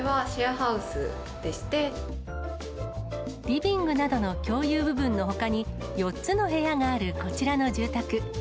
リビングなどの共有部分のほかに、４つの部屋があるこちらの住宅。